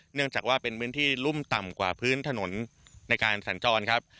เนื่องจากว่าเป็นพื้นที่รุ่มต่ำกว่าพื้นถนนในการสัญจรครับ